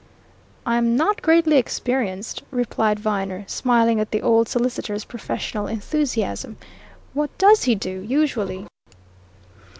"I'm not greatly experienced," replied Viner, smiling at the old solicitor's professional enthusiasm. "What does he do usually?"